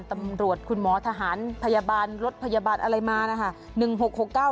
ตำรวจคุณหมอทหารพยาบาลรถพยาบาลอะไรมานะคะ